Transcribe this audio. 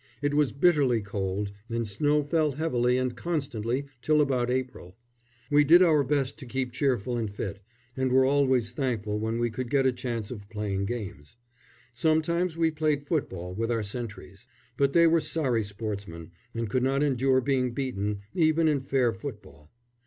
It was bitterly cold, and snow fell heavily and constantly till about April. We did our best to keep cheerful and fit, and were always thankful when we could get a chance of playing games. Sometimes we played football with our sentries; but they were sorry sportsmen, and could not endure being beaten, even in fair football.